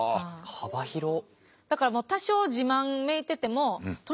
幅広っ。